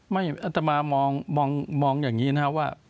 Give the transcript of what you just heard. อัตมามองอย่างนี้นะครับว่า